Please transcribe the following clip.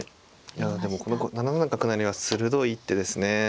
いやでも７七角成は鋭い一手ですね。